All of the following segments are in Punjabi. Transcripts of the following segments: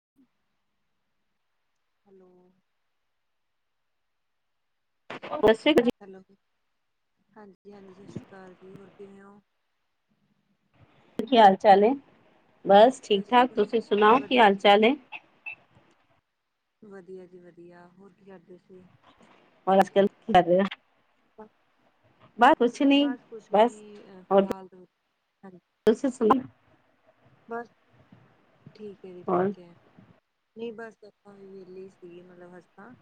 [inaudible] ਹੈਲੋ ਦਸਵੀਂ [unintelligible] ਹੈਲੋ ਜੀ ਹਾਂਜੀ, ਹਾਂਜੀ ਸਤਿ ਸ਼੍ਰੀ ਅਕਾਲ ਜੀ ਹੋਰ ਕਿਵੇਂ ਉ ਕੀ ਹਾਲ ਚਾਲ ਏ ਬਸ ਸਤਿ ਠੀਕ ਸ਼੍ਰੀ ਠਾਕ ਅਕਾਲ ਤੁਸੀਂ ਜੀ। ਸੁਣਾਓ ਕੀ ਵਧੀਆ ਹਾਲ ਜੀ ਚਾਲ ਵਧੀਆ, ਏ ਵਧੀਆ ਜੀ ਵਧੀਆ ਹੋਰ ਕੀ ਕਰਦੇ ਸੀ ਹੋਰ ਅੱਜ ਕੱਲ [unintelligible] ਬਸ ਕੁਛ ਨੀ ਬਸ ਕੁਛ ਬਸ ਨੀ ਔਰ ਫਿਲਹਾਲ ਹਾਂ [unintelligible] ਬਸ ਠੀਕ ਐ ਜੀ ਹੋਰ ਠੀਕ ਐ। ਨਹੀਂ ਬਸ [unintelligible] ਵੀ ਵੇਲੇ ਸੀ ਮਤਲਬ ਅੱਜ ਤਾਂ,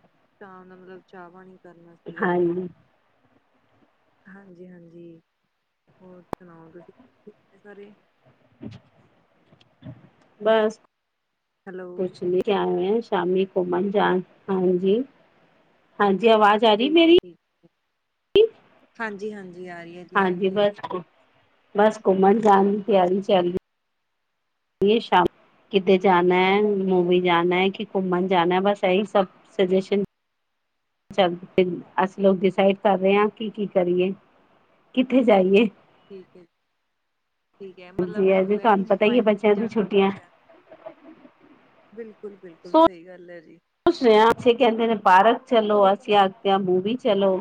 ਚਾਹ ਦਾ ਮਤਲਬ ਚਾਹ ਪਾਨੀ ਕਰਨਾ ਸੀਗਾ ਹੁਣ ਹਾਂਜੀ ਹਾਂਜੀ, ਹਾਂਜੀ ਹੋਰ ਸੁਣਾਓ ਤੁਸੀਂ ਠੀਕ ਹੋ ਸਾਰੇ ਬਸ ਹੈਲੋ ਕੁਛ ਨੀ ਆਏ ਆ ਸ਼ਾਮੀ ਘੁੰਮਣ ਜਾਣ ਹਾਂਜੀ ਹਾਂਜੀ ਆਵਾਜ਼ ਰਹੀ ਠੀਕ ਆ ਮੇਰੀ ਠੀਕ ਹਾਂਜੀ, ਹਾਂਜੀ ਆ ਰੀ ਏ ਹਾਂਜੀ ਬਸ ਬਸ ਘੁੰਮਣ ਜਾਣ ਤਿਆਰੀ ਚ ਅਗਲੀ ਇਹ ਸ਼ਾਮ ਕਿਤੇ ਜਾਣਾ ਹੈ ਮੂਵੀ ਜਾਣਾ ਹੈ ਕਿ ਘੁੰਮਣ ਜਾਨਣਾ ਬਸ ਇਹੀ ਸਭ ਸਜੇਸ਼ਨ ਚੱਲ ਫਿਰ ਅਸੀਂ ਲੋਕ ਡਿਸਾਈਡ ਕਰ ਰਹੇ ਹਾਂ ਕਿ ਕੀ ਕਰੀਏ ਕਿੱਥੇ ਜਾਈਏ। ਠੀਕ ਹੈ ਠੀਕ ਹੈ ਮਤਲਬ ਜੀ ਹਜੇ ਅਜੇ ਹੋਇਆ ਨੀ ਤੁਹਾਨੂੰ ਜੀ ਪਤਾ ਹੀ ਹੈ ਫਾਈਨਲ ਵੀ ਬੱਚਿਆਂ ਦੀ ਜਾਣਾ। ਛੁੱਟੀਆਂ ਬਿਲਕੁਲ-ਬਿਲਕੁਲ ਸਹੀ ਗੱਲ ਐ ਜੀ। [unintelligible] ਰਿਹਾ ਆਪਸੇ ਕਹਿੰਦੇ ਨੇ ਪਾਰਕ ਚਲੋ ਅਸੀਂ ਆਖਦੇ ਆਂ ਮੂਵੀ ਚਲੋ।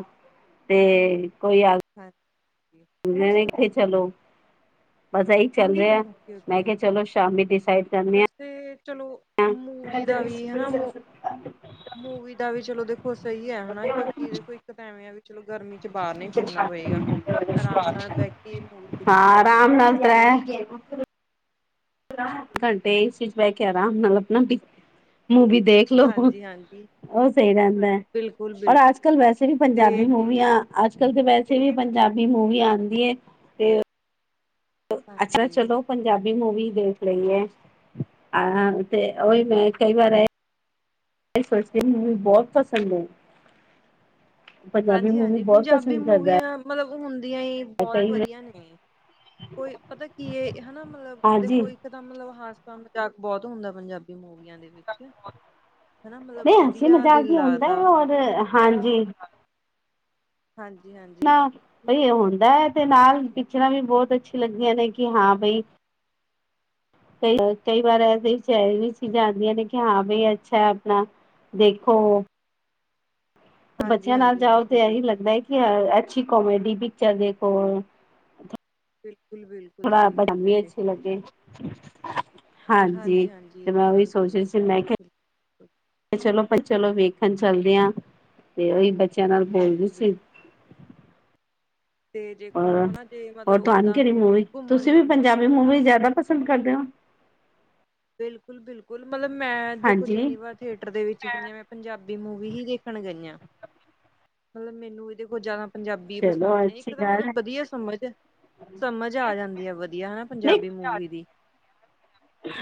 ਤੇ ਕੋਈ ਆ ਹਾਂ ਜੀ। [unintelligible] ਏਥੇ ਚਲੋ। ਬਸ ਏਈ ਚੱਲ ਰਿਹਾ, ਓਕੇ ਮੈਂ ਕਿਹਾ ਚਲੋ ਸ਼ਾਮੀ ਡਿਸਾਈਡ ਕਰਨੇ ਆ। ਫੇਰ ਚਲੋ ਹਾਂ ਮੂਵੀ ਦਾ ਵੀ ਹਨਾ, ਮ ਮੂਵੀ ਦਾ ਵੀ ਚਲੋ ਦੇਖੋ ਸਈ ਐ ਹਨਾ ਕਿਉਂਕਿ ਦੇਖੋ ਓ ਤਾਂ ਐਵੇਂ ਐ ਵੀ ਚਲੋ ਗਰਮੀ ਬਾਰ ਨਈ ਫਿਰਨਾ ਪਏਗਾ, ਆਰਾਮ ਨਾਲ ਬਹਿ ਕੇ ਮੂਵੀ ਦੇਖੀ ਜਾ ਆਰਾਮ ਸਕਦੀ ਏ ਨਾਲ ਹਨਾ ਤ੍ਰੈ ਘੰਟੇ ਏਸੀ ਚ ਬੈ ਕੇ ਅਰਾਮ ਨਾਲ ਆਪਨਾ ਮੂਵੀ ਦੇਖ [unintelligible] ਹਾਂਜੀ ਹਾਂਜੀ ਉ ਸਈ ਰਹਿੰਦਾ ਐ ਬਿਲਕੁਲ ਅੋਰ ਬਿਲਕੁਲ ਅੱਜ ਕੱਲ ਵੈਸੇ ਵੀ ਤੇ ਪੰਜਾਬੀ ਜੀ ਮੂਵੀਆਂ ਅੱਜ ਕਲ ਤੇ ਵੈਸੇ ਵੀ ਪੰਜਾਬੀ ਮੂਵੀ ਆਂਦੀ ਐ ਤੇ ਅੱਛਾ ਹਾਂਜੀ ਚਲੋ ਪੰਜਾਬੀ ਮੂਵੀ ਦੇਖ ਲਈਏ ਅ। ਤੇ ਓਈ ਮੈਂ ਬਿਲਕੁਲ ਕਈ ਵਾਰੀ [unintelligible] ਮੂਵੀ ਬਹੁਤ ਪਸੰਦ ਐ। ਹਾਂਜੀ-ਹਾਂਜੀ ਬਹੁਤ ਪੰਜਾਬੀ ਪਸੰਦ ਕਰਦਾ ਹੈ ਮੂਵੀਆਂ ਮਤਲਬ ਹੁੰਣਦੀਆਂ ਹੀ ਬੋਤ ਕਈ ਵਧੀਆ ਨੇ। ਕੋਈ ਪਤਾ ਕੀ ਏ ਹਨਾ ਮਤਲਬ ਹਾਂਜੀ ਦੇਖੋ ਏਦਾਂ ਮਤਲਬ ਹਾਸਾ ਮਜ਼ਾਕ ਬੋਤ ਹੁੰਦਾ ਪੰਜਾਬੀ ਮੂਵੀਆਂ ਦੇ ਵਿੱਚ। ਹਨਾ ਮਤਲਬ ਨਹੀਂ ਹਸੀ ਵਧੀਆ ਮਜ਼ਾਕ ਦਿਲ ਵੀ ਹੁੰਦਾ ਲੱਗਦਾ। ਹੈ ਔਰ ਹਾਂਜੀ। ਹਾਂਜੀ-ਹਾਂਜੀ। ਨਾ ਬਈ ਐ ਹੁੰਦਾ ਐ ਤੇ ਨਾਲ ਪਿਕਚਰਾਂ ਵੀ ਬੋਤ ਅੱਛੀਆਂ ਲੱਗੀਆਂ ਨੇ ਕਿ ਹਾਂ ਬਈ। ਕਈ, ਕਈ ਵਾਰ ਇਹ ਵਿੱਚ ਚੀਜ਼ਾਂ ਆਂਦੀਆਂ ਨੇ ਕਿ ਹਾਂ ਬਈ ਅੱਛਾ ਆਪਣਾ ਦੇਖੋ। ਹਾਂਜੀ ਬੱਚਿਆਂ ਨਾਲ ਹਾਂਜੀ ਜਾਓ ਤੇ ਬਿਲਕੁਲ ਏਹੀ ਬਿਲਕੁਲ ਲੱਗਦਾ ਹੈ ਕਿ ਅੱਛੀ ਕੋਮੇਡੀ ਪਿਕਚਰ ਦੇਖੋ। ਬਿਲਕੁਲ-ਬਿਲ ਥੋੜਾ [unintelligible] ਅੱਛੇ ਲੱਗੇ। ਹਾਂਜੀ ਤੇ ਇਹ ਮੈਂ ਓਹੀ ਗੱਲ ਸੋਚ ਸਹੀ ਰੀ ਹੈ ਸੀ ਮੈਂ ਕਿਹਾ ਬਿਲਕੁਲ। ਚਲੋ, ਚਲੋ ਵੇਖਨ ਚੱਲਦੇ ਆਂ ਤੇ ਓਈ ਬੱਚਿਆਂ ਨਾਲ ਬੋਲ ਰੀ ਹਾਂਜੀ ਸੀ। ਬਿਲਕੁਲ ਤੇ ਦੇਖੋ ਰ ਹਨਾ ਜੇ ਹੋਰ ਮਤਲਬ ਤੁਹਾਨੂੰ ਓਦਾਂ ਕਿਹੜੀ ਤੁਸੀਂ ਮੂਵੀ, ਘੁੰਮਣ ਤੁਸੀਂ ਵੀ ਜਾਂਦੇ ਪੰਜਾਬੀ ਮੂਵੀ ਜ਼ਿਆਦਾ ਪਸੰਦ ਕਰਦੇ ਹੋ? ਬਿਲਕੁਲ-ਬਿਲਕੁਲ ਮਤਲਬ ਮੈਂ ਦੇਖੋ ਹਾਂਜੀ ਜਿੰਨੀ ਵਾਰ ਥੀਏਟਰ ਦੇ ਵਿੱਚ ਕਈਆਂ ਮੈਂ ਪੰਜਾਬੀ ਮੂਵੀ ਹੀ ਦੇਖਣ ਗਈਆਂ। ਮਤਲਬ ਮੈਨੂੰ ਇਹਦੇ ਕੋਲ ਜ਼ਿਆਦਾ ਪੰਜਾਬੀ ਚਲੋ ਪਸੰਦ ਨੇ, ਇੱਕ ਅੱਛੀ ਤਾਂ ਗੱਲ ਹੈ ਮਤਲਬ ਵਧੀਆ ਸਮਝ ਸਮਝ ਆ ਜਾਂਦੀ ਐ ਵਧੀਆ ਹਨਾ ਨਹੀਂ ਪੰਜਾਬੀ ਮੂਵੀ ਦੀ।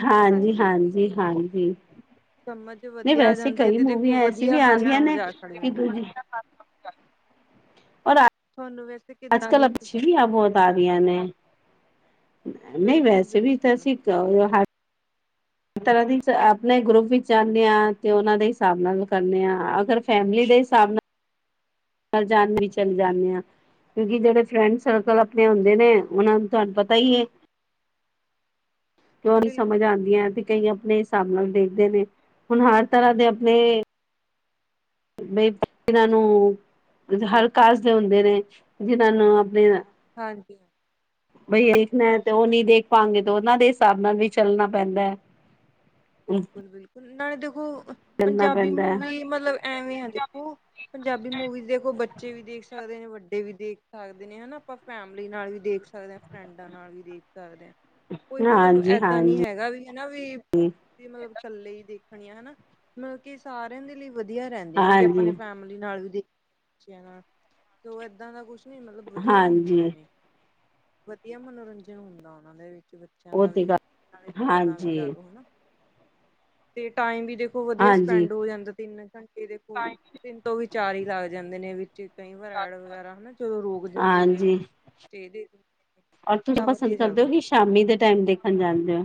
ਹਾਂਜੀ ਹਾਂਜੀ ਹਾਂਜੀ। ਸਮਝ ਨਹੀਂ ਵਧੀਆ ਆ ਵੈਸੇ ਜਾਂਦੀ ਹੈ ਕਈ ਤੇ ਦੇਖੋ ਮੂਵੀਆਂ ਐਸ ਵੀ ਵਧੀਆ ਹਾਸਾ ਆਂਦੀਆਂ ਨੇ ਮਜ਼ਾਕ ਵਾਲੇ ਕਿ ਹੁੰਦੇ ਦੂ ਨੇ [unintelligible] ਤੁਹਾਨੂੰ ਵ ਅੱਜ ਕੱਲ੍ਹ ਅੱਛ ਵੀਆਂ ਬਹੁਤ ਆ ਰਹੀਆਂ ਨੇ। ਨਈ ਬਿਲਕੁਲ ਵੈਸੇ ਵੀ ਤਾਂ ਬਿਲਕੁਲ ਅਸੀਂ [unintelligible] ਤਰ੍ਹਾਂ ਦੀ ਆਪਣੇ ਗਰੁੱਪ ਵਿੱਚ ਜਾਨੇ ਆਂ ਤੇ ਉਹਨਾਂ ਦੇ ਹਿਸਾਬ ਨਾਲ ਕਰਨੇ ਆਂ, ਅਗਰ ਫੈਮਿਲੀ ਦੇ ਹਿਸਾਬ ਨਾਲ [unintelligible] ਵੀ ਚਲੇ ਜਾਂਨੇ ਆਂ ਕਿਉਂਕਿ ਜਿਹੜੇ ਫਰੈਂਡ ਸਰਕਲ ਅਪਨੇ ਹਾਂਜੀ ਹੁੰਦੇ ਨੇ ਉਹਨਾ ਨੂੰ ਤੁਹਾਨੂੰ ਪਤਾ ਈ ਏ। ਕਿਉਂ ਨੀ ਬਿਲਕੁਲ ਸਮਝ ਆਂਦੀਆਂ ਬਿਲਕੁਲ ਤੇ ਕਈ ਅਪਨੇ ਹਿਸਾਬ ਨਾਲ ਦੇਖਦੇ ਨੇ ਹੁਨ ਹਰ ਤਰ੍ਹਾਂ ਦੇ ਅਪਨੇ ਬਈ ਜਿਨਾਂ ਨੂੰ, [unintelligible] ਬਿਲਕੁਲ ਹਰ ਕਾਸਟ ਦੇ ਹੁੰਦੇ ਨੇ ਜਿਨਾਂ ਨੂੰ ਅਪਨੇ ਹਾਂਜੀ ਹਾਂ ਬਈ ਦੇਖਨਾ ਐ ਤੇ ਓ ਨਹੀਂ ਦੇਖ ਪਾਂਗੇ ਤੇ ਉਹਨਾਂ ਦੇ ਹਿਸਾਬ ਨਾਲ ਵੀ ਚੱਲਨਾ ਪੈਂਦਾ ਐ। ਬਿਲਕੁਲ-ਬਿਲਕੁਲ ਨਾਲੇ ਦੇਖੋ ਚੱਲਣਾ ਪੰਜਾਬੀ ਪੈਂਦਾ ਹੈ ਮੂਵੀ ਮਤਲਬ ਐਵੇਂ ਐ ਦੇਖੋ ਪੰਜਾਬੀ ਮੂਵੀਜ਼ ਦੇਖੋ ਬੱਚੇ ਵੀ ਦੇਖ ਸਕਦੇ ਨੇ, ਵੱਡੇ ਵੀ ਦੇਖ ਸਕਦੇ ਨੇ ਹਨਾ ਆਪਾਂ ਫੈਮਲੀ ਨਾਲ ਵੀ ਦੇਖ ਸਕਦੇ ਆ ਫਰੈਂਡਾਂ ਨਾਲ ਵੀ ਦੇਖ ਸਕਦੇ ਆ। ਕੋਈ ਮਤਲਬ ਹਾਂਜੀ ਏਦਾਂ ਨੀ ਹਾਂਜੀ ਹੈਗਾ ਵੀ ਹਨਾ ਵੀ ਮਤਲਬ ਇਕੱਲੇ ਹੀ ਦੇਖਣੀਆਂ ਹਨਾ ਮਤਲਬ ਕਿ ਸਾਰਿਆਂ ਦੇ ਲਈ ਵਧੀਆ ਰਹਿੰਦੀਆਂ ਨੇ ਜੇ ਆਪਾਂ ਨੇ ਹਾਂਜੀ ਫੈਮਲੀ ਨਾਲ ਵੀ ਤੇ ਉਹ ਇੱਦਾਂ ਦਾ ਕੁਛ ਮਤਲਬ ਵਧੀਆ ਹੁੰਦੀਆਂ ਹਾਂਜੀ ਨੇ ਵਧੀਆ ਮਨੋਰੰਜਨ ਹੁੰਦਾ ਉਹਨਾਂ ਦੇ ਵਿੱਚ ਉਹ ੱਜਿਆਦਾ ਤੇ ਵੀ ਗੱਲ ਨਾਲ ਆਪਣਾ ਵੀ ਲਾ ਹਾਂਜੀ ਲਓ ਹਨਾ ਤੇ ਟਾਈਮ ਵੀ ਦੇਖੋ ਵਧੀਆ ਹਾਂਜੀ ਸਪੈਂਡ ਹੋ ਜਾਂਦਾ ਤਿੰਨ ਘੰਟੇ ਦੇਖੋ ਤੋਂ ਵੀ ਵਿਚਾਰ ਹੀ ਲਾ ਜਾਂਦੇ ਨੇ ਵੀ। ਕਈ ਵਾਰ ਐਡ ਵਗੈਰਾ ਹਨਾ ਜਦੋਂ ਰੋਕ ਦਿੰਦੇ ਨੇ ਹਾਂਜੀ ਉਹ ਤੇ ਇਹਦੇ ਔਰ ਤੁਸੀ ਪਸੰਦ ਕਰਦੇ ਹੋ ਕਿ ਸ਼ਾਮੀ ਦੇ ਟਾਈਮ ਦੇਖਣ ਜਾਦੇ ਹੋ।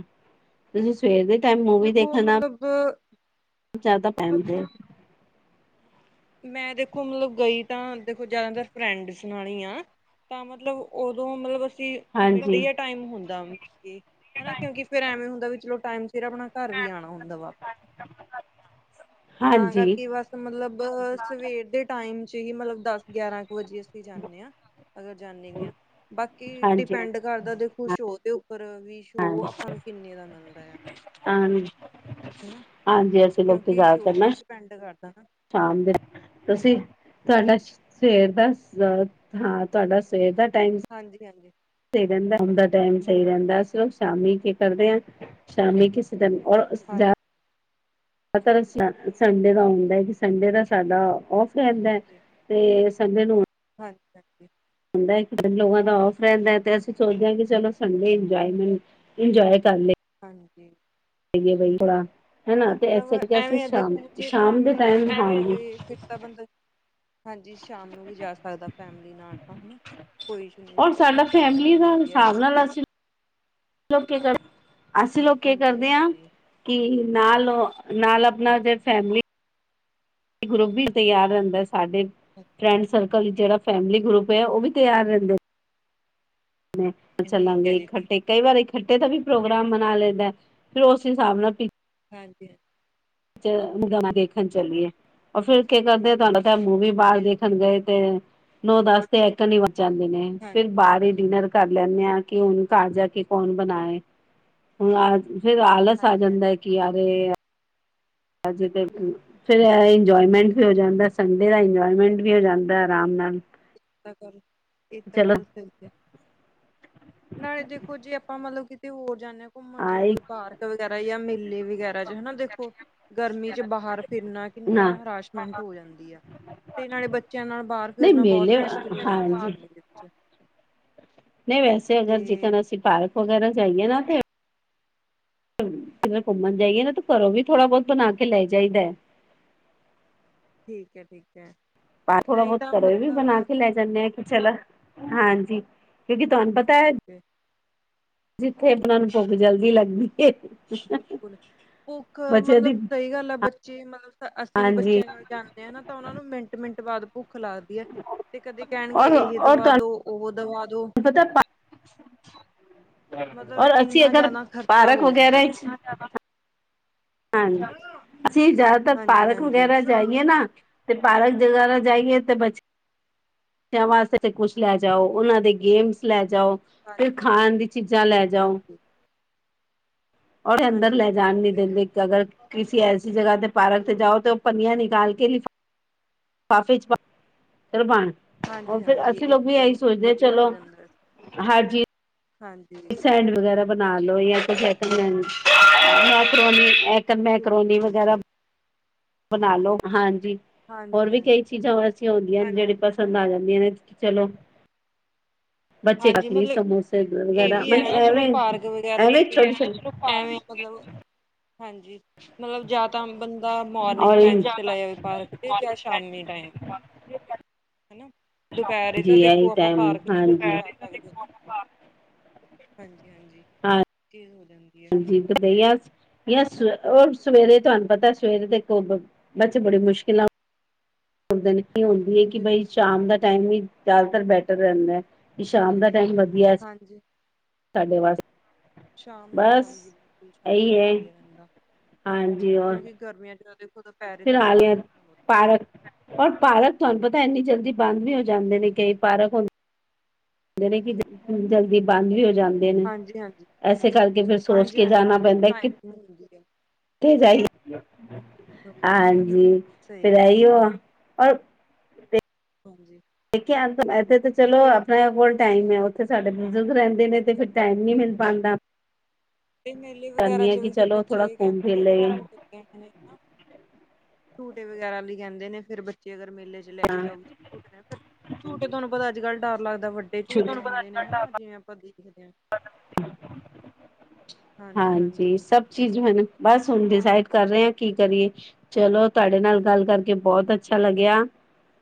ਤੁਸੀਂ ਸਵੇਰ ਦੇ ਟਾਈਮ ਮੂਵੀ ਦੇਖੋ ਦੇਖਣ ਨਾਲ ਮਤਲਬ ਜ਼ਿਆਦਾ ਪੈਮ। ਮੈਂ ਦੇਖੋ ਮਤਲਬ ਗਈ ਤਾਂ ਦੇਖੋ ਜ਼ਿਆਦਾਤਰ ਫਰੈਂਡਸ ਨਾਲ ਹੀ ਆ। ਤਾਂ ਮਤਲਬ ਉਦੋਂ ਮਤਲਬ ਮਿਡ ਹਾਂਜੀ, ਡੇ ਟਾਈਮ ਹੁੰਦਾ ਹਨਾ ਕਿਉਂਕਿ ਫੇਰ ਐਵੇਂ ਹੁੰਦਾ ਵੀ ਚਲੋ ਟਾਈਮ ਸਿਰ ਆਪਣਾ ਘਰ ਵੀ ਆਣਾ ਹੁੰਦਾ ਵਾ ਤਾਂ ਹਾਂਜੀ, ਕਰਕੇ ਬਸ ਮਤਲਬ ਸਵੇਰ ਦੇ ਟਾਈਮ ' ਹੀ ਮਤਲਬ ਦਸ ਗਿਆਰਾਂ ਕੁ ਵਜੇ ਜਾਂਨੇ ਹਾਂ ਅਗਰ ਜਾਂਨੇ ਵੀ ਆਂ ਬਾਕੀ ਹਾਂਜੀ, ਡਿਪੈਂਡ ਕਰਦਾ ਦੇਖੋ ਸ਼ੋਅ ਦੇ ਉੱਪਰ ਵੀ ਸ਼ੋਅ ਆਪਾਂ ਨੂੰ ਕਿੰਨੇ ਦਾ ਮਿਲਦਾ ਆ ਹਾਂਜੀ। ਹਨਾ ਹਾਂਜੀ ਅਸੀਂ ਲੋਕੀ ਕਿਉਂਕਿ ਸ਼ੋਅ ਜ਼ਿਆਦਾਤਰ ਤੇ ਨਾ ਵੀ ਡਿਪੈਂਡ ਕਰਦਾ ਹਨਾ ਸ਼ਾਮ ਦੇ ਤੁਸੀਂ ਤੁਹਾਡਾ ਸਵੇਰ ਦਾ ਅ ਹਾਂ ਤੁਹਾਡਾ ਸਵੇਰ ਦਾ ਟਾਈਮ ਹਾਂਜੀ ਹਾਂਜੀ ਸਹੀ ਰਹਿੰਦਾ ਆਦਾ ਟਾਈਮ ਸਹੀ ਬਿਲਕੁਲ। ਰਹਿੰਦਾ ਸ਼ਾਮੀ ਕੀ ਕਰਦੇ ਆ ਸ਼ਾਮੀ ਕਿਸੇ ਟਮ ਔਰ ਜਾ ਹਾਂਜੀ ਸੰਡੇ ਦਾ ਹੁੰਦਾ ਹੈ ਕਿ ਸੰਡੇ ਦਾ ਸਾਡਾ ਫ ਰਹਿੰਦੈ ਹਾਂਜੀ ਤੇ ਸਮੇ ਨੂੰ ਹਾਂਜੀ ਹਾਂਜੀ ਹੁੰਦਾ ਕਈ ਲੋਕਾਂ ਦਾ ਔਫ ਰਹਿੰਦਾ ਹੈ ਤੇ ਅਸੀਂ ਸੋਚਦੇ ਹਾਂ ਕਿ ਚਲੋ ਸੰਡੇ ਇੰਜੋਏਮੈਂਟ ਇੰਜੋਏ ਕਰ ਲੇ ਹਾਂਜੀ ਗੇ ਬਈ ਥੋੜਾ ਹਨਾ ਤੇ ਮਤਲਬ ਇਸੇ ਕਰਕੇ ਅਸੀਂ ਐਵੇਂ ਆ ਸ਼ਾਮ ਦੇਖੋ ਜੇ ਸ਼ਾਮ ਦੇ ਫੈਮਿਲੀ ਨਾਲ ਟਾਈਮ ਮੈ ਜਾਣਾ ਆਉਂਗੀ ਹੋਵੇ ਫਿਰ ਬੰਦਾ ਹਾਂਜੀ ਸ਼ਾਮ ਨੂੰ ਵੀ ਜਾ ਸਕਦਾ ਫੈਮਿਲੀ ਨਾਲ ਤਾਂ ਹਨਾ ਕੋਈ ਔਰ ਨਹੀਂ ਸਾਡਾ ਸ਼ਾਮ ਦਾ ਫੈਮਿਲੀ ਵੀ ਵਧੀਆ ਹਿਸਾਬ ਹੈ ਨਾਲ ਅਸੀਂ ਲੋਕ ਕਰ ਅਸੀਂ ਲੋਕ ਕੀ ਹਾਂਜੀ ਕਰਦੇ ਹਾਂ ਹਾਂਜੀ ਕੀ ਨਾਲ ਓ, ਨਾਲ ਆਪਣਾ ਜੇ ਫੈਮਲੀ ਗਰੁੱਪ ਵੀ ਤੱਈਆਰ ਰਹਿੰਦਾ ਸਾਡੇ, ਫਰੈਂਡ ਸਰ ਕਲ ਜਿਹੜਾ ਫੈਮਿਲੀ ਗਰੁੱਪ ਏ, ਉਹ ਵੀ ਤਿਆਰ ਰਹਿੰਦੇ। ਮੈਂ, ਠੀਕ ਹੈ ਚੱਲਾਂਗੇ ਜੀ ਠੀਕ ਹੈ ਇਕੱਠੇ ਕਈ ਵਾਰ ਇਕੱਠੇ ਦਾ ਵੀ ਪ੍ਰੋਗਰਾਮ ਮਨਾ ਲਈਦਾ, ਫਿਰ ਉਸ ਹਿਸਾਬ ਨਾਲ ਹਾਂਜੀ-ਹਾਂਜੀ। ਗਾਣਾ ਦੇਖਣ ਚੱਲੀਏ ਉਰ ਫੇਰ ਕੀ ਕਰਦੇ ਤੁਹਾਡਾ ਤਾਂ ਮੂਵੀ ਬਾਹਰ ਦੇਖਣ ਬਿਲਕੁਲ ਗਏ ਤੇ ਬਿਲਕੁਲ ਨੌ ਦਸ ਤੇ ਐਥਨ ਹੀ ਵਜ ਜਾਂਦੇ ਨੇ ਫਿਰ ਹਾਂਜੀ ਬਾਹਰ ਹੀ ਡਿਨਰ ਕਰ ਲੈਂਦੇ ਹਾਂ ਕਿ ਹੁਣ ਘਰ ਜਾ ਕੇ ਕੌਣ ਬਣਾਏ ਹੁਣ ਆ ਫੇਰ ਆਲਸ ਆ ਹਾਂਜੀ ਹਾਂਜੀ ਹਾਂਜੀ ਜਾਂਦਾ ਹੈ ਕਿ ਯਾਰ ਅਜੇ ਇਹ ਤੇ ਫਿਰ ਇੰਜੋਏਮੈਂਟ ਵੀ ਹੋ ਜਾਂਦੈ ਸੰਡੇ ਦਾ ਇੰਜੋਏਮੈਂਟ ਵੀ ਹੋ ਜਾਂਦੈ ਆਰਾਮ ਨਾਲ। ਇਹ ਤਾਂ ਗੱਲ, ਇਹ ਤਾਂ ਚਲੋ ਗੱਲ ਸਹੀ ਐ। ਨਾਲੇ ਦੇਖੋ ਜੇ ਆਪਾਂ ਮਤਲਬ ਕਿਤੇ ਹੋਰ ਜਾਂਦੇ ਹਾਂ ਘੁੰਮਣ ਜਿਵੇਂ ਆਏ ਕੋਈ ਪਾਰਕ ਵਗੈਰਾ ਯਾ ਮੇਲੇ ਵਗੈਰਾ ਚ ਹੈਨਾ ਦੇਖੋ ਗਰਮੀ ਚ ਬਾਹਰ ਫਿਰਨਾ ਨਾ ਕਿੰਨੀਆਂ ਹਰਾਸ਼ਮੈਂਟ ਹੋ ਜਾਂਦੀ ਆ। ਤੇ ਨਾਲੇ ਬੱਚਿਆਂ ਨਾਲ ਬਾਹਰ ਨਹੀਂ ਫਿਰਨਾ ਬਹੁਤ ਮੇਲੇ ਮੁਸ਼ਕਿਲ ਹੋ ਜਾਂਦਾ ਹਾਂਜੀ ਗਰਮੀ ਵਿੱਚ। ਨਹੀਂ ਵੈਸੇ ਤੇ ਅਗਰ ਜੇਕਨ ਅਸੀਂ ਪਾਰਕ ਵਗੈਰਾ ਜਾਈਏ ਨਾ ਤੇ ਜਰ ਘੁੰਮਣ ਜਾਈਏ ਨਾ, ਤਾਂ ਘਰੋਂ ਵੀ ਥੋੜਾ ਬਹੁਤ ਬਣਾ ਕੇ ਲੈ ਜਾਈਦੈ। ਠੀਕ ਐ, ਠੀਕ ਐ। ਬਾਹਰ ਥੋੜਾ-ਬਹੁਤ, ਘਰੋ ਵੀ ਬਣਾ ਕੇ ਲੈਕੇ ਜਾਂਦੇ ਹਾਂ ਕਿ ਚਲਾ, ਹਾਂਜੀ, ਕਿਉਂਕਿ ਤੁਹਾਨੂੰ ਪਤਾ ਏ ਜਿੱਥੇ ਅਪਨਾਂ ਨੂੰ ਭੁੱਖ ਜਲਦੀ ਲੱਗਦੀ ਏ। ਬਿਲਕੁਲ। ਭੁੱਖ ਦੀ ਮਤਲਬ ਸਹੀ ਗੱਲ ਆ, ਬੱਚੇ ਮਤਲਬ ਅਸੀਂ ਵੀ ਹਾਂਜੀ ਬੱਚਿਆਂ ਨੇ ਜਾਂਦੇ ਆ ਨਾ, ਤਾਂ ਉਹਨਾਂ ਨੂੰ ਮਿੰਟ-ਮਿੰਟ ਬਾਅਦ ਭੁੱਖ ਲੱਗਦੀ ਆ, ਤੇ ਕਦੇ ਕਹਿਣਗੇ ਔਰ ਇਹ ਔਰ ਦਵਾ ਤੁਹਾਨੂੰ ਦੋ ਉਹ ਦਵਾਦੋ ਪਤਾ ਪਾ ਮਤਲਬ ਔਰ ਅਸੀ, ਇੰਨਾ ਅਗਰ ਜ਼ਿਆਦਾ ਖ਼ਰਚਾ ਪਾਰਕ ਹੋ ਜਾਂਦਾ ਵਗੈਰਾ'ਚ ਦੇਖੋ ਹਾਂਜੀ, ਅਸੀਂ ਜਿਆਦਾਤਰ ਹਾਂਜੀ ਪਾਰਕ ਹਾਂਜੀ ਵਗੈਰਾ ਜਾਈ ਏ ਨਾ, ਤੇ ਪਾਰਕ ਦੇ ਬਾਹਰੋ ਜਾਈਏ ਤੇ ਬੱਚੇ ਬੱਚਿਆਂ ਵਾਸਤੇ ਤੇ ਕੁਛ ਲੈ ਜਾਓ, ਉਹਨਾਂ ਦੇ ਗੇਮਸ ਲੈ ਜਾਓ। ਤੇ, ਹਾਂਜੀ ਹਾਂਜੀ ਖਾਣ ਦੀ ਚੀਜ਼ਾਂ ਲੈ ਜਾਓ। ਹਾਂਜੀ ਔਰ ਅੰਦਰ ਲੈ ਹਾਂਜੀ ਜਾਣ ਨੀ ਦਿੰਦੇ, ਅਗਰ ਕਿਸ ਐਸੀ ਜਗ੍ਹਾ ਤੇ ਪਾਰਕ ਤੇ ਜਾਓ, ਤੇ ਉਹ ਪੰਨੀਆਂ ਨਿਕਾਲਕੇ ਲੀ ਫਾਫੇ 'ਚ ਪਾ, ਕਦੋ ਪਾਣੈ ਉਹ ਹਾਂਜੀ ਫਿਰ, ਹਾਂਜੀ ਅਸੀਂ ਇਹ ਲੋਕ ਵੀ ਇਹੀ ਚਲੋ ਸੋਚਦੇ ਹਾਂ ਵਧੀਆ ਹੋ ਚਲੋ, ਜਾਂਦਾ ਹਰ ਚੀਜ਼ ਹਾਂਜੀ। ਸਟੈਂਡ ਵਗੈਰਾ ਬਣਾਲੋ ਯਾ [inaudible] ਬਿਲਕੁਲ ਮੈਕਰੋਨੀ, [inaudible] ਬਿਲਕੁਲ ਮੈਕਰੋਨੀ ਵਗੈਰਾ ਬਿਲਕੁਲ ਬਣਾਲੋ, ਹਾਂਜੀ। ਹੋਰ ਹਾਂਜੀ ਵੀ ਹਾਂਜੀ ਕਈ ਚੀਜ਼ਾਂ ਐਸੀਆਂ ਹੁੰਦੀਆਂ ਨੇ, ਹਾਂਜੀ ਜਿਹੜੀਆਂ ਪਸੰਦ ਆ ਜਾਂਦੀਆਂ ਨੇ ਚਲੋ ਬੱਚੇ ਹਾਂਜੀ ਰੱਖ ਲਈ ਮਤਲਬ, ਸਮੋਸੇ ਇਹ ਵਗੈਰਾ ਵੀ ਮ ਹੈ ਹਨਾ, ਚਲੋ ਐਵੇਂ ਪਾਰਕ ਵਗੈਰਾ'ਚ ਐਵੇਂ ਕੋਈ ਛੋਟੇ ਛੋਟੇ ਐਵੇਂ ਮਤਲਬ, ਹਾਂਜੀ। ਮਤਲਬ ਜਾਂ ਤਾਂ ਬੰਦਾ, ਮੌਰਨੀੰਗ ਔਰੇਂਜ ਟਾਈਮ ਤੇ ਚਲਾ ਜਾਵੇ, ਪਾਰਕ ਤੇ ਜਾਂ ਸ਼ਾਮੀ ਟਾਇਮ। ਹਨਾ, ਦੁਪਹਿਰੇ ਜੀ ਤਾਂ ਇਹੀ ਦੇਖੋ ਆਪਾਂ ਟਾਈਮ ਪਾਰਕ'ਚ ਹਾਂਜੀ ਸਕਦੇ ਨਾ, ਹਾਂਜੀ-ਹਾਂਜੀ ਚੀਜ਼ ਹੋ ਜਾਂਦੀ ਏ। ਜੀਤ ਗਈਆਸ ਜਾਂ ਉਹ ਸਵੇਰੇ ਤੁਹਾਨੂੰ ਪਤਾ, ਸਵੇਰੇ ਤੇ, ਦੇਖੋ ਬੱਚੇ ਬੜੀ ਮੁਸ਼ਕਿਲਾਂ ਉਠਦੇ ਨੇ ਕੀ, ਹੁੰਦੀ ਹੈ ਕਿ, ਬਾਈ ਬਿਲਕੁਲ ਬਿਲਕੁਲ ਸ਼ਾਮ ਦਾ ਟਾਈਮ ਵੀ ਜ਼ਿਆਦਾਤਰ ਬੈਟਰ ਰਹਿੰਦਾ ਏ, ਕਿ ਸ਼ਾਮ ਦਾ ਟਾਈਮ ਵਧੀਆ ਹਾਂਜੀ। ਤੁਹਾਡੇ ਵਾਸ ਸ਼ਾਮ ਦਾ ਹਾਂਜੀ, ਬਿਲਕੁਲ ਸ਼ਾਮ ਦਾ ਇਹੀ ਹੈ ਵਧੀਆ ਰਹਿੰਦਾ। ਹਾਂਜੀ। ਹੋਰ ਕਿਉਂਕਿ ਗਰਮੀਆਂ ਚ ਦੇਖੋ ਤਾਂ ਦੋਪੈਹਰੇ [unintelligible] ਪਾਰਕ ਔਰ ਪਾਰਕ ਤੁਹਾਨੂੰ ਪਤਾ ਇੰਨੀ ਜਲਦੀ ਬੰਦ ਵੀ ਹੋ ਜਾਂਦੇ ਨੇ ਕਈ ਪਾਰਕ ਹੁੰ ਯਣੀ ਕਿ, ਜਲਦੀ ਬੰਦ ਵੀ ਹੋ ਜਾਂ ਹਾਂਜੀ ਹਾਂਜੀ ਇਸੇ ਕਰਕੇ, ਫਿਰ ਹਾਂਜੀ ਸੋਚਕੇ ਹਾਂਜੀ ਜਾਣਾ ਉਹਨਾਂ ਦੇ ਪੈਂਦਾ ਕਿ [unintelligible] ਥੇ ਜਾਈ, ਬਿਲਕੁਲ ਹਾਂਜੀ। ਸਹੀ ਫਿਰ ਗੱਲ ਹੈ ਐਈਯੋ ਆ। ਹਾਂਜੀ। ਦੇਖਿਆ ਐਥੇ ਤੇ ਚਲੋ ਆਪਣੇ ਕੋਲ ਟਾਈਮ ਹੈ, ਉੱਥੇ ਸਾਡੇ ਬਜ਼ੁਰਗ ਰਹਿੰਦੇ ਨੇ, ਤੇ ਫਿਰ ਟਾਈਮ ਨਹੀਂ ਮਿਲ ਪਾਂਦਾ। ਇਹ ਮੇਲੇ ਵਗੈਰਾ'ਚ ਵੀ ਫਿਰ ਚਲੋ ਥੋੜਾ ਬੱਚੇ ਇਹ ਘੁੰਮ ਕਹਿੰਦੇ ਫਿਰ ਨੇ, ਕਿ ਲਏ ਝੂਠ ਲੱਗੇ ਨੇ ਹਨਾ। ਝੂਟੇ ਵਗੈਰਾ ਲਈ ਕਹਿੰਦੇ ਨੇ, ਫਿਰ ਬੱਚੇ ਅਗਰ ਮੇਲੇ' ਚ ਲੈਕੇ ਜਾਂ ਜਾਓ। ਝੂ ਫਿਰ ਝੂਟੇ ਤੁਹਾਨੂੰ ਪਤਾ ਅੱਜ-ਕੱਲ੍ਹ ਡਰ ਲੱਗਦਾ, ਵੱਡੇ ਝੂਟੇ ਹੁੰਦੇ ਨੇ ਹਨਾ, ਜਿਵੇਂ ਆਪਾਂ ਦੇਖਦੇ ਹਾਂ। ਹਾਂਜੀ, ਸਭ ਚੀਜ਼ ਹਨ, ਬਸ ਹੁਣ ਹਾਂ ਡਿਸਾਈਡ ਕਰ ਰਹੇ ਹ, ਕੀ ਕਰੀਏ ਚਲੋ ਤੁਹਾਡੇ ਨਾਲ ਗੱਲ ਕਰਕੇ ਬਹੁਤ ਅੱਛਾ ਲੱਗਿਆ।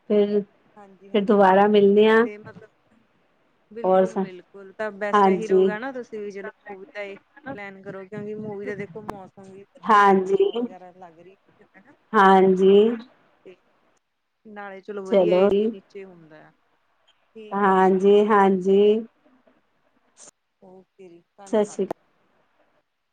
ਫੇਰ ਹਾਂਜੀ ਹਾਂਜੀ, ਤੇ ਮਤਲਬ, ਬਿਲਕੁਲ ਔਰ ਬਿਲਕੁਲ ਬਿਲਕੁਲ ਤਾਂ ਬੈਸਟ ਹੀਰੋ ਹਾਂਜੀ ਗ ਨਾ, ਤੁਸੀਂ ਵੀ ਜਲੋ ਮੂਵੀ ਦਾ ਪਲੈਨ ਕਰੋ ਕਿਉਂਕਿ ਮੂਵੀ ਦਾ ਦੇਖੋ ਮੌ ਵਧਿਆ ਹੁਣ ਹਾਂਜੀ ਹਵਾ ਵਗੈਰਾ ਲੱਗ ਰਹੀ, ਹਨ ਹਾਂਜੀ ਹੇਨਾ ਨਾਲੇ ਚਲੋ ਵਧੀਆ ਏ ਸੀ ਨੀਚੇ ਹੁੰਦੇ। ਹਾਂਜੀ, ਹਾਂਜੀ। ਓਕੇ ਜੀ, ਸਤਿ ਧੰਨਵਾਦ। ਸ਼੍ਰੀ